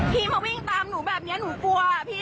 พี่มาวิ่งตามหนูแบบนี้หนูกลัวพี่